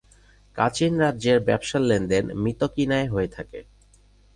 Kachin রাজ্যের ব্যবসার লেনদেন ম্যিতক্যীনায় হয়ে থাকে।